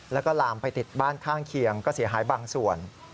แล้วก็ลามไปติดบ้านข้างเคียงก็เสียหายบางส่วน